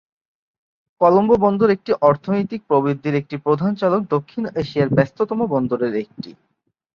কলম্বো বন্দর একটি অর্থনৈতিক প্রবৃদ্ধির একটি প্রধান চালক দক্ষিণ এশিয়ার ব্যস্ততম বন্দরের একটি।